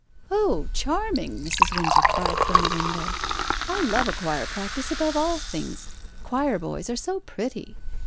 "Oh, charming!" Mrs. Windsor cried from the window. "I love a choir practice above all things. Choir boys are so pretty.